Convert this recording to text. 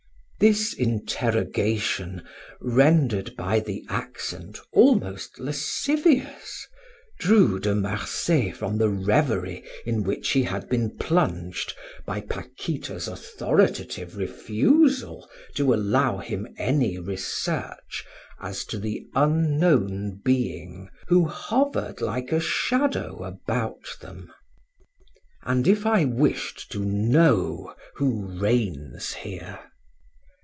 This interrogation, rendered by the accent almost lascivious, drew De Marsay from the reverie in which he had been plunged by Paquita's authoritative refusal to allow him any research as to the unknown being who hovered like a shadow about them. "And if I wished to know who reigns here?"